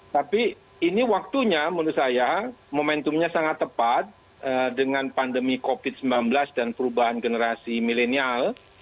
tapi ini waktunya menurut saya momentumnya sangat tepat dengan pandemi covid sembilan belas dan perubahan generasi milenial